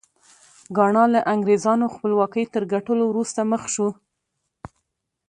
ګانا له انګرېزانو خپلواکۍ تر ګټلو وروسته مخ شو.